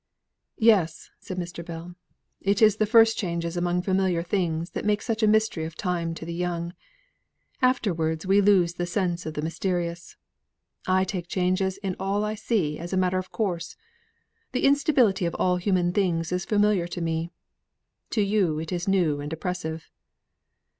"Yes!" said Mr. Bell. "It is the first changes among familiar things that make such a mystery of time to the young, afterwards we lose the sense of the mysterious. I take changes in all I see as a matter of course. The instability of all human things is familiar to me, to you it is new and oppressive."